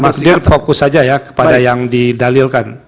maksudnya fokus saja ya kepada yang didalilkan